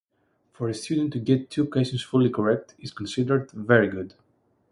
For a student to get two questions fully correct is considered "very good".